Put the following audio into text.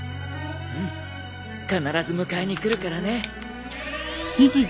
うん必ず迎えに来るからね。